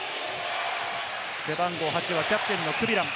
背番号８はキャプテンのクビラン。